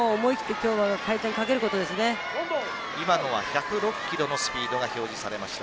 今のは場内に１０６ｋｍのスピードが表示されました。